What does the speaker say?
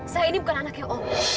saya ini bukan anaknya om